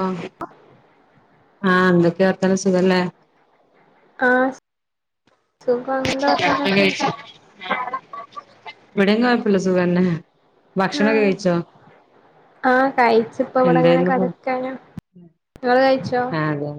ആഹ് ആഹ് ഉണ്ട് വർത്താനം സുഖല്ലേ ആഹ് സുഖാണ് എന്താ വർത്താനം ഒക്കെ ഇവിടേം കുഴപ്പമില്ല സുഖം തന്നെ ആഹ് ആഹ് കഴിച്ച് ഇപ്പം ഇവിടെങ്ങനെ എന്തായിരുന്നു ഫു കിടക്കാണ് നിങ്ങള് കഴിച്ചോ ആ അതെ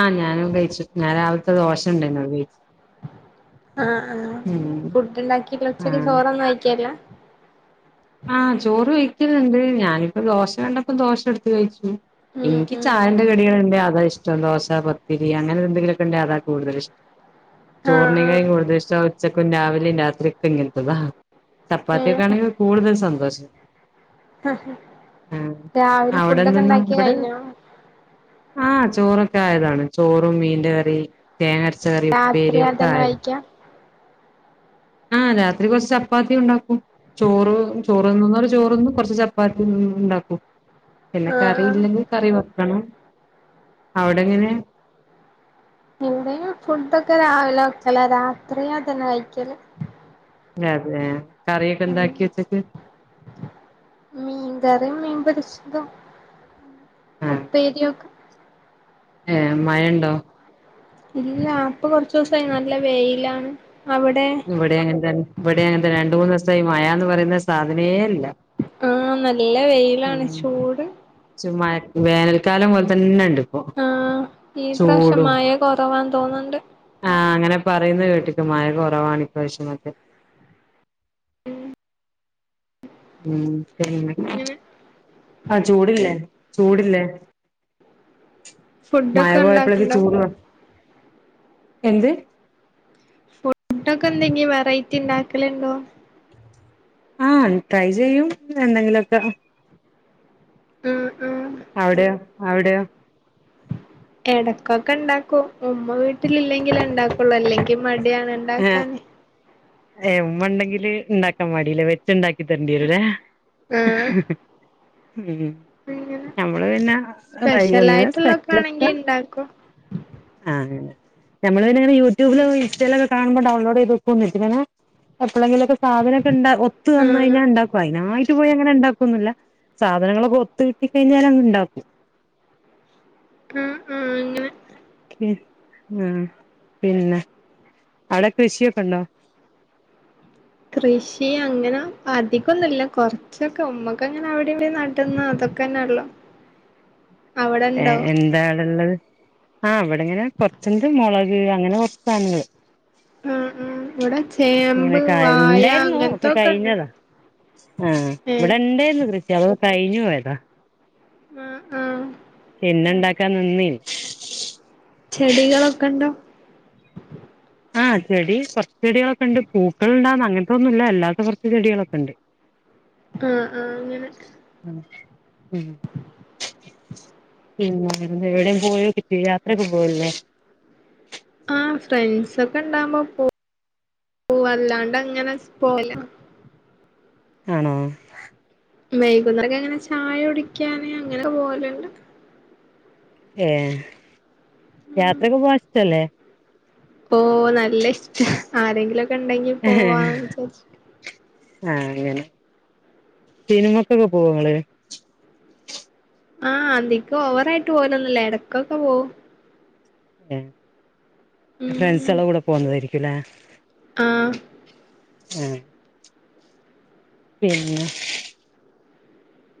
ആഹ് ഞാനും കഴിച്ചു ഞാൻ രാവിലത്തെ ദോശ ഉണ്ടായിരുന്നു അത് കഴിച്ചു ആ ആഹ് ഉം ഫുഡ് ഉണ്ടാക്കി ഉച്ചക്കലത്തേക്ക് ആഹ് ചോറൊന്നും ആയിക്കേല്ല ആഹ് ചോറ് കഴിക്കുന്നുണ്ട് ഞാനിപ്പം ദോശ കണ്ടപ്പോ ദോശ എടുത്ത് കഴിച്ചു ഉം എനിക്ക് ഉം ചായേന്റെ കടികളുണ്ടേ അതാ ഇഷ് ഇഷ്ടം ദോശ പത്തിരി അങ്ങനെ എന്തങ്കിലുമൊക്കെ ഉണ്ടേ അതാ കൂടുതല് ഇഷ് ആഹ് ചോറിനെക്കാൾ ആഹ് കൂടുതൽ ഇഷ്ടം ഉച്ചക്കും രാവിലെയും രാത്രിക്കും ഇങ്ങനത്തേതാ ഏഹ് ചപ്പാത്തിയൊക്കെയാണെങ്കി കൂടുതൽ സന്തോഷം ഉം രാവിലെ ഫുഡൊക്കെ അവിടെന്തെന്നാ ഇണ്ടാക്കി ഇവിടെ കഴിഞ്ഞോ ആ ചോറൊക്കെ ആയതാണ് ചോറും മീന്റെ കറി തേങ്ങയരച്ച കറി രാത്രി ഉപ്പേരി ഒക്കെ അതന്നെ ആയത് കഴിക്കാ ആഹ് രാത്രി കൊറച്ച് ചപ്പാത്തി ഉണ്ടാക്കും ചോറ് ചോറ് തിന്നുന്നോര് ചോറ് തിന്നും കുറച്ച് ചപ്പാത്തി ഉണ്ടാക്കും പിന്നെ ആഹ് കറി ആഹ് ഇല്ലെങ്കിൽ കറി വെക്കണം അവിടെ എങ്ങനെയാ ഇവിടെയും ഫുഡൊക്കെ രാവിലെ വെക്കലാ രാത്രി അതന്നെ കഴിക്കല് അതെ കറിയൊക്കെ എന്താക്കി വെച്ചേക്ക് മീൻ കറിയും മീൻ പൊരിച്ചതും ഉപ്പേരിയൊക്കെ ഏ മഴ ഉണ്ടോ ഇല്ല ഇപ്പോ കൊറച്ചു ദിവസായ് നല്ല വെയിലാണ് അവിടെ ഇവിടെ അങ്ങനെ തന്നെ ഇവിടെ അങ്ങനെ രണ്ട് മൂന്ന് ദിവസം സമായ് മഴാന്ന് പറയുന്ന സാധനേ ഇല്ല ആഹ് നല്ല ഉം വെയിലാണ് ചൂട് മഴ വേനൽക്കാലം പോലെ തന്നെ ഉണ്ട് ഇപ്പൊ ആ ഈ പ്രാവശ്യം ചൂടും മയ കൊറവാൻ തോന്നണ്ട് ആഹ് അങ്ങനെ പറയുന്ന കേട്ടിക്ക് മഴ കുറവാണ് ഇപ്രവിശൊന്നൊക്കെ ഉ ഇങ്ങനെ ആ ചൂടല്ലേ ചൂടില്ലേ മയ ഫുഡൊക്കെ പോയപ്പോഴക്കെ ഉണ്ടാക്ക്ണ്ടോ ചൂട് ത- എന്ത് ഫുഡൊക്കെ എന്തെങ്കും വെറൈറ്റി ഉണ്ടാക്കലുണ്ടോ ന്ന് ആ ട്രൈ ചെയ്യും എന്തെങ്കിലുമൊക്കെ ആ ആ അവിടെയോ അവിടെയോ എടക്കൊക്കെ ഉണ്ടാക്കും ഉമ്മ വീട്ടിൽ ഇല്ലെങ്കിൽ ഉണ്ടാക്കുള്ളൂ അല്ലെങ്കിൽ മടി- ടിയാണ് ഇണ്ടാക്കാൻ മ്മ ഇണ്ടെങ്കില് ഇണ്ടാക്കാൻ മടിയല്ലേ വെച്ച ഇണ്ടാക്ക തരണ്ടി വരുവല്ലേ ആഹ് ഉം അങ്ങനെ നമ്മള് പിന്നെ സ്പെഷ്യലായിട്ടുള്ളൊക്കെ ആണെങ്കി [unintelligible] ഇണ്ടാക്കും ആ നമ്മള് [unintelligible] യൂട്യൂബിലും, ഇൻസ്റ്റേലക്ക കാണുമ്പോൾ ഡൗൺലോഡ് ചെയ്ത് വെക്കും [unintelligible] ഇപ്പോളെങ്കിലൊക്കെ സാധനൊക്കെ ഉണ്ട് ഒത്തു വന്നു ആഹ് കഴിഞ്ഞ ഉണ്ടാക്കും അതിനായി [unintelligible] പോയി അങ്ങനെ ഉണ്ടാക്കൊന്നും ഇല്ല സാധനങ്ങളൊക്കെ ഒത്ത് കിട്ടി കഴിഞ്ഞാൽ അങ്ങ് ഇണ്ടാക്കും ആഹ് ആ അങ്ങനെ [unintelligible] ആ പിന്നെ അവ്ടെ കൃഷിയൊക്കെ ഉണ്ടോ? കൃഷി അങ്ങനെ അധികം ഒന്നും ഇല്ല കൊറച്ചൊക്കെ ഉമ്മക്ക് അങ്ങനെ അവിടെ ഇവിടേം നടന്ന അതൊക്കെന്നെ ഉള്ളു ഏ എന്താണുള്ളത്? ആഹ് ഇവിടെങ്ങനെ കൊറച്ച്ണ്ട് മോളത് അങ്ങനെ കൊറച്ച് സാധനങ്ങള് ആഹ് ആഹ് ഇവിടെ ഇങ്ങനെ ചേമ്പ് ഒക്കെ ആയ വായ ഇണ്ടായിരുന്നു ഒക്കെ അങ്ങനത്തൊക്കെ ഉണ്ട് കഴിഞ്ഞതാ ആഹ് ഏഹ് ഇവിടെ ഇണ്ടായിരുന്നു കൃ ചെലത് കഴിഞ്ഞ് പോയതാ ആഹ് ആഹ് പിന്നെ ഒണ്ടാക്കാൻ നിന്നി ചെടികളൊക്കെ ഇണ്ടോ? ആഹ് ചെടി കൊറച്ച് ചെടികളൊക്കെ ഉണ്ട് പൂക്കൾ ഉണ്ടാകുന്ന അങ്ങനത്തെൊന്നും ഇല്ല അല്ലാത്ത കൊറച്ച് ചെടികളൊക്കെ ഇണ്ട് ആ ആ അങ്ങനെ ഉം ഉം പിന്നെ എവിടെയും പോയോക്കിട്ടില്ലേ യാത്ര ഒക്കെ പോവലില്ലേ? ആഹ് ഫ്രണ്ട്സൊക്കെ ഇണ്ടാമ്പോ പോ പോ അല്ലാണ്ട് അങ്ങനെ പോല ആണോ? വൈകുന്നേരെക്ക ങ്ങനെ ചായ കുടിക്കാന് അങ്ങനെക്കെ പോവല് ണ്ട്. ഏ യാത്രക്കെ പോവാൻ ഇഷ്ട്ടല്ലേ? തോന്നൽ- നല്ല ഇഷ്ടം ആരെങ്കിലുക്കെ ഉണ്ടെങ്കി പോവാന്ന് വിചാരിച്ച- ആ അങ്ങനെ സിനിമക്കൊക്കെ പോവോ ങ്ങള്- ആ അതികം ഓവറായിട്ട് പോവലൊന്നും ല്ല ഇടക്കൊക്കെ പോവും- [unintelligible] ഫ്രൺസകള കൂടെ പോകുന്നതായിരിക്കു [unintelligible] ഇല്ലാ ആ മ് - പിന്ന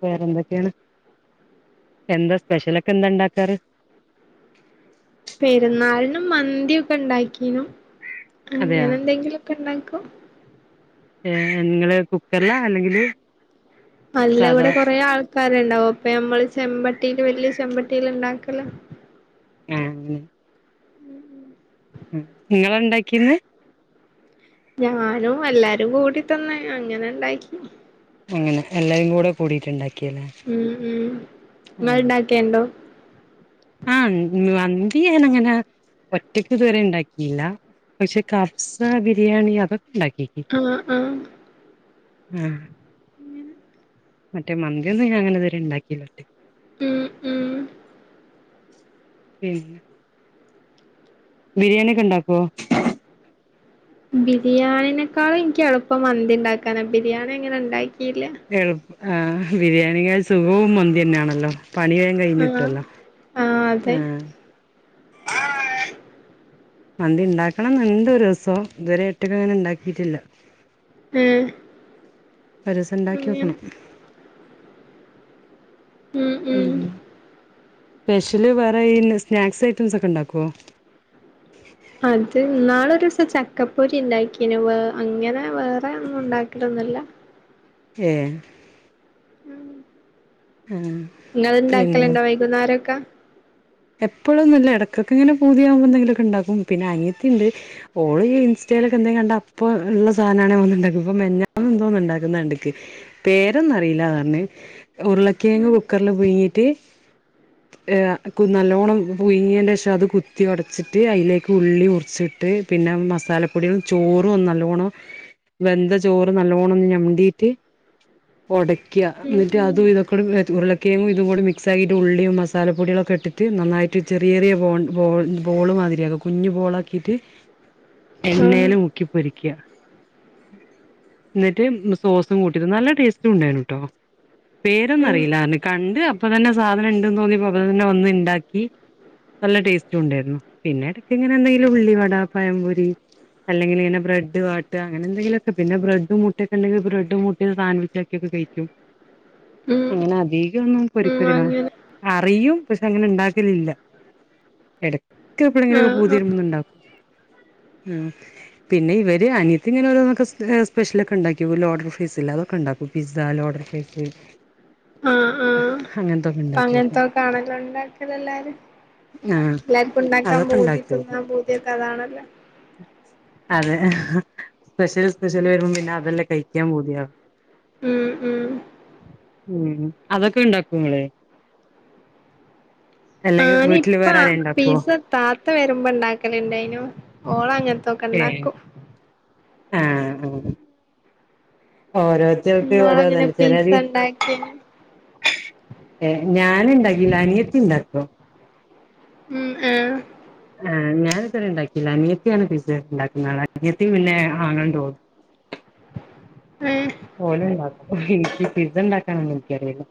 വേറെന്തൊക്കെയാണ് എന്താ സ്പെഷ്യലൊക്കെ എന്താ ഉണ്ടാക്കാറ്- പെരുന്നാളിനും മന്തിയൊക്കെ ഉണ്ടാക്കീനും- അതെയാ അങ്ങനെ എന്തെങ്കിലുക്കെ ണ്ടാക്കും- [unintelligible] ഏ നിങ്ങള് കുക്കർല അല്ലെങ്കില് അല്ല ഇവിട സാധാ കൊറെ ആൾക്കാര് ണ്ടാവും അപ്പൊ നമ്മള് ചെമ്പ- ത്തിൽ വലിയ ചമ്പട്ടിൽ ഉണ്ടാക്കല് മ് നിങ്ങള ഉണ്ടാക്കിന്- ഞാനും എല്ലാരും കൂടി തന്നെ അങ്ങനെ ഇണ്ടാക്കി അങ്ങനെ എല്ലാവരും കൂടെ കൂടിയിട്ട്ണ്ടാക്കി മ് മ ങ്ങൾ ണ്ടാക്കിയണ്ടോ-? ആ ഇന്ന [unintelligible] ഇത് ഞാനങ്ങന ഒറ്റക്ക് ഇതുവരെ ണ്ടാക്കില്ല പക്ഷെ കഫ്സ ബിരിയാണി അതൊക്ക ആ ആ ആഹ് മറ്റേ മന്തിയൊന്നും ഞാൻ ങ്ങനെ ഇതുവരെ ഉണ്ടാക്കില്ല ഒറ്റ മ് മ് പിന്ന- ബിരിയാണി ഒക്കെ ണ്ടാക്കോ? ബിരിയാണിനെക്കാളും എനിക്ക് എളുപ്പം മന്തി ഉണ്ടാക്കാന ബിരിയാണി എങ്ങനെ ഉണ്ടാക്കി ഇല്ലാ- എളുപ്പ ആ ബിരിയാണിനെ സുഖവും മന്തി തന്നെയാണല്ലോ പണി വേം ആഹ് കഴിഞ്ട്ടല്ലോ ആ ആയ് [unintelligible] മന്തി ഉണ്ടാക്കണംന്ന്ണ്ട് ഒരുസം ഇതുവരെ ഒറ്റക് അങ്ങനെ ഉണ്ടാക്കിട്ടില്ല മ് ഒരസം ണ്ടാക്കിനോക്കണം- ഉം ഉം പിന്ന സ്പെഷ്യല് വേറെ ഈ സ്നാക്സ് ഐറ്റംസ് ഒക്കെ ഉണ്ടാക്കോ അത് ന്നാളൊരുസം ചക്കപ്പൊരി ഉണ്ടാക്കിനൊ വേ അങ്ങനെ വേറെ ഒന്നും ഉണ്ടാക്കലൊന്നില്ല ഏ മ് ആ നിങ്ങള് ഇണ്ടാക്കലണ്ടോ വൈകുന്നേരെക്കെ എപ്പോഴൊന്നുല്ല എടക്കൊക്കെ ഇങ്ങനെ പൂതിയാവുമ്പോ എന്തെങ്കിലൊക്കെ ഉണ്ടാക്കും പിന്നെ അനിയത്തിണ്ട് ഓള് ഈ ഇൻസ്റ്റെലൊക്കെ എന്തെങ്കിലും കണ്ട അപ്പ ള്ള സാനാണേ ഒന്നിണ്ടാക്കും ഇപ്പ മെഞ്ഞാ എന്തോന്ന് ഉണ്ടാക്കുന്നണ്ട്ക്ക് പേരൊന്നും അറിയില്ലാന്നറഞ്ഞ് ഉരുളക്കേങ്ങ് കുക്കറില് പുഴിങ്ങിട്ട് ഏയ നക്കും ല്ലോണം പുയങ്ങിയന്റേഷം അത് കുത്തി ഒടച്ചിട്ട് അതിലേക്ക് ഉള്ളി ഉറിച്ചിട്ട് പിന്നെ മസാലപ്പൊടികൾ ചോറും നല്ലോണം വെന്ത ചോറ് നല്ലോണം ഞമ്ടീട്ട് ഒട ക്ക ഉം എന്നിട്ട് അതും ഉം ഇതൊക്കെടെ ഉരുളക്കിയങ്ങു ഇതുകൂടെ മിക്സ് ആക്കിട്ട് ഉള്ളിയും മസാല പൊടികളൊക്കെട്ട് നന്നായിട്ട് ചെറിയെറിയ ബോട് ബോട് ബോള് മാതിരിയത് കുഞ്ഞു ബോളാക്കിയിട്ട് ആഹ് എണ്ണേല് മുക്കിപ്പൊരിയ്ക്ക എന്നിട്ട് സോസും കൂട്ടിതിന്ന നല്ല ടേസ്റ്റും ഉണ്ടായിന്നുട്ടോ പേരൊന്നും ഉം അറിയില്ലാന്ന് കണ്ട് ഇപ്പ തന്നെ സാധന ഇണ്ടന്ന് തോന്നിപ്പോ അപ്പതനെ വന്നിൻ ണ്ടാക്കി നല്ല ടേസ്റ്റുണ്ടായിരുന്നു പിന്നെ എടക്ക് ഇങ്ങനെ എന്തെങ്കിലും ഉള്ളിവട പയംപൊരി അല്ലെങ്കില് പിനെ ബ്രെഡ് വാട്ടാ അങ്ങനെ എന്തെങ്കിലൊക്കെ പിന്നെ ബ്രെഡ് മുട്ടൊക്കെ ഉണ്ടെങ്കില് ബ്രെഡ് മുട്ടെ സാൻവിച്ചാക്കിയൊക്കെ കഴിക്കും ഉം അങ്ങനതി ദ്യയൊന്നും പൊരി ഉം [unintelligible] അങ്ങനെ ആ അറിയും പഷ് അങ്ങനെ ഇണ്ടാക്കലില്ല എട ക്കെപ്പഴങ്കിലെക്കെ ആഹ് പൂതി ആഹ് വരുമ്പ ഒന്ന്ണ്ടാക്കും ഉം പിന്നെ ഇവര് അനിയത്തി ഇങ്ങനെ ഓരോന്നൊക്കെ സ്പെഷ്യലക്കെ ഇണ്ടാക്കി ലോഡർ ഫ്രൈസില്ലേ അതൊക്കെ ഇണ്ടാക്കും പിസ്സ ലോഡർ ഫേസ് ആഹ് ആഹ് അപ്പൊ ഉണ്ടാക്കി വെക്കും അങ്ങനതൊക്കെയാണല്ലോ ണ്ടാക്കലെല്ലാരും ആഹ് എല്ലാർക്കും ഇണ്ടാക്കാൻ അതൊക്കെ പൂതി ഉണ്ടാക്കി തിന്നാൻ വെക്കും പൂതിക്ക അതാണ ല അതെ സ്പെഷ്യല് സ്പെഷ്യല് വരുമ്പ പിന്നെ അതെല്ലെ കഴിക്കാൻ പൂതിയാ ഉം ഉം ഉം അതൊക്കെ ഇണ്ടാക്കോങ്ങള് ആനി ഇപ്പ പീസ താ ത്ത വരുമ്പോ ഇണ്ടാക്കലിണ്ടായ്നു ഓളങ്ങ തൊക്കണ്ടാക്കും ആ ആഹ് ഓരോരുത്തോരുക്ക് ഓരോ ഇന്നാളങ്ങനെ ഇതല്ലേ പിസ്സ ചെലര് ഇണ്ടാക്കിയേനു എ ഞാനിണ്ടാക്കില്ല അനിയത്തി ഇണ്ടാക്കും ഉം ആഹ് ആ ഞാനിതുവരെ ഇണ്ടാക്കില്ല അനിയത്തിയാണ് പീസ ഇണ്ടാക്കുന്ന ആള് അനിയത്തി പിന്നെ ആങ്ങൾ ന്റെ ഓളും. ഏഹ് ഓല് ണ്ടാക്കും. ഇ പിസണ്ടാക്കാനാണെൻക്കറീല്ല.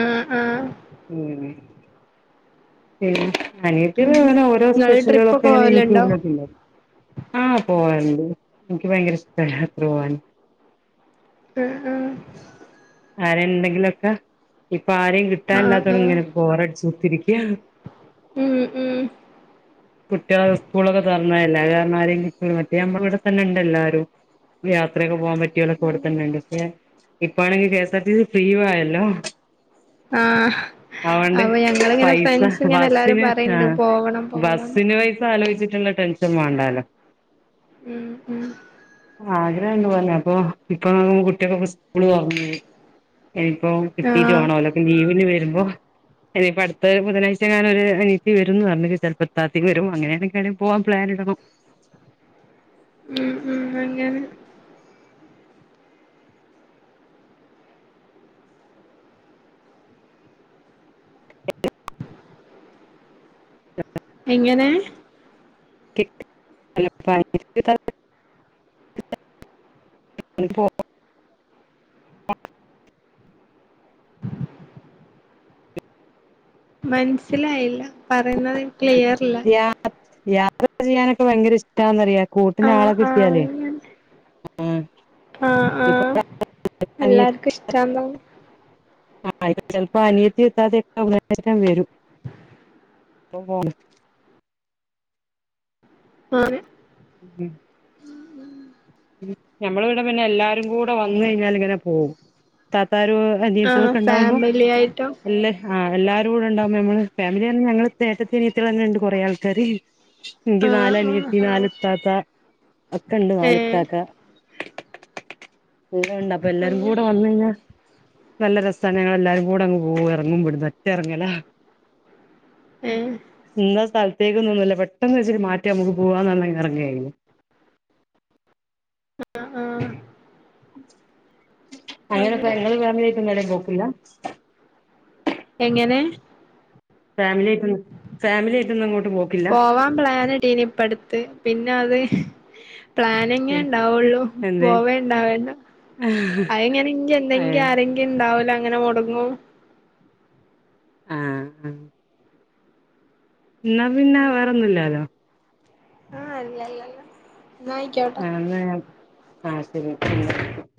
ആഹ് ആഹ് ഉം. ഉം. അനിയത്തി അങ്ങനെ ഇങ്ങനെ ഓരോ ഇങ്ങള് സ്പെഷ്യലുകളൊക്കെ ട്രിപ്പൊക്കെ ഇങ്ങനെ പോവലുണ്ടോ യൂട്യൂബിലോക്കി ഇണ്ടാക്കും. ആ പോ ഇൻക്ക് ഭയങ്കര ഇശ്ട്ടാണ് യാത്ര പോവാന്. അ ആ ആരെ ന്തെങ്കിലൊക്ക പ്പ ആരിം ആഹ് കിട്ടാല്ലാത്തോണ്ട് ങ്ങനെ ആഹ് ബോറട്ച്ചു ത്തിരി [unintelligible] ഉം ഉം കുട്ട്യാൾ സ്കൂളൊക്കെ തൊർന്ന ല്ലാകാരണം ആരെങ്കിലും മറ്റേത് നമ്മള് വടെ തന്നെണ്ട് എല്ലാരും യാത്രയൊക്കെ പോവാൻ പറ്റ് കുട്ട്യോളൊക്കെ ഇവിടെത്തന്നെ ഉണ്ട് പക്ഷെ ഇപ്പാണെങ്കി K S R T C ഫ്രീയും ആയല്ലോ ആഹ് അതുകൊണ്ട് അപ്പൊ ഞങ്ങള്ങ്ങനെ പൈസ ഫ്രണ്ട്സ് ങ്ങനെ എല്ലാരും ബസ്സിന് പറയിണ്ട് ആഹ് പോവണം പോകണം ട്ടുള്ള ടെൻഷൻ വാണ്ടാലോ ഉം ഉം ആഗ്രഹണ്ട് പോവാന് അപ്പൊ ഇപ്പോം കുട്ട്യോൾക്കൊക്കെ സ്കൂള് തോർന്ന് ഇനിയിപ്പോം കിട്ടീട്ട് ആഹ് വേണോ ഓലോക്കെ ലീവിന് വരുമ്പോ ഇനിയിപ്പോ അട്ത്ത ബുധനാഴ്ച എങ്ങാനും ഒരു അനിയത്തി വരും ന്ന് പറഞ്ഞ്. ചെൽപ്പത്താത്തിം വരും അങ്ങനെയാണെങ്കിൽ എവിടേലും പോവാൻ പ്ലാനിടണം. ഉം ഉം അങ്ങന [inaudible] [inaudible] എങ്ങനെ ഹ് കെട്ട് അല്ല പ്രായത്ത് ല് ത്താലും [inaudible] പോ മൻസിലായ്ല്ല പറയുന്നത് ക്ലിയർ ഇല്ല യാഹ് യാ കാൾ ചെയ്യാനക്ക ഭയ്ങ്കര ഇഷ്ടാ ന്നറിയാ കൂട്ട്ന് ആഹ് ആഹ് ആളകിട്ടിയാല് അങ്ങനെ ആ ആ ആഹ് ഇപ്പ ആഹ് [inaudible] വടേ അനിയ എല്ലാർക്കും ഇഷ്ടാന്ന് തോന്നുന്നു ആഹ് ചൽപ്പ അനിയത്തിം ത്താതെക്ക അന്നേരം തന്ന വരും പ്പ പ്പോണ് ആണ് ഹ്മ് [unintelligible] ഹ് ഞമ്മൾവടെ പിന്നെ എല്ലാരും കൂടെ വന്ന് കഴിഞ്ഞാൽ ഇങ്ങനെ പോകും താരും അജീ [unintelligible] വ് ആഹ് ച്ചനൊക്കെ ണ്ടാവുമ്പോ ഫാമിലി ആയിട്ടും എല്ലാരും ആഎല്ലാരൂടെ ഉണ്ടാവ്ബ നമ്മള് ഫാമിലി തന്നെ ഞങ്ങള്ചേട്ടത്തി അനിയത്തി അങ്ങനെ ഉണ്ട് കുറെ ആൾക്കാര് ഇൻക്ക് ആഹ് ആഹ് നാലഅനിയത്തിമാര് ത്താത്ത ഒക്കണ്ട് നാലും ഏഹ് കാക്ക ഇവിടെണ്ട് അപ്പം അങ്ങനെ എല്ലാരുംങ്കൂടെ വന്ന് കയ്ഞ്ഞാ നല്ല രസാണ് ഞങ്ങളെല്ലാരും കൂടെ അങ്ങ് പോകും എറങ്ങുംവ്ടെന്ന് ഒറ്റെറ്ങ്ങലാ ഹ് ഏഹ് [unintelligible] [unintelligible] പെട്ടെന്ന് വിൾചിട്ട് മാറ്റാ ഞമ്മക് പോവാന്ന് പർഞി എറങ്ങേ ആ അങ്ങനെ പെങ്ങള് ഫാമിലിയ്ട്ട് [unintelligible] ഇല്ല എങ്ങനെ ഫാമിലി ആയിട്ടൊന്നും ഫാമിലി ആയിട്ടൊന്നും അങ്ങോട്ട് പോക്കില്ല പോവാൻ പ്ളാനിടിനിപ്പട്ത് പിന്നെ അത് പ്ലാനിങ്ങെണ്ടാവൊള്ളൂ എന്തേ പോവണ്ടാവെല [unintelligible] ഏ എന്തെങ്കി ആഹ് ആരെങ്കിണ്ടാവൂല ങ്ങനെ മൊടങ്ങും ആ ആ ന്നാ പിന്നെ വേറൊന്നൂലാലോ ആ അല്ല അല്ല അതേ ആ ശരി